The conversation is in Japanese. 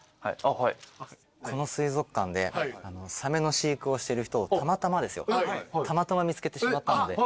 この水族館でサメの飼育をしてる人をたまたまですよたまたま見つけてしまったので。